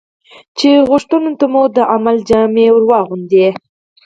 چې غوښتنو ته مو د عمل جامه ور واغوندي.